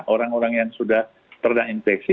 orang orang yang sudah pernah infeksi